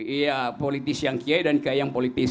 iya politis yang kiai dan kiai yang politis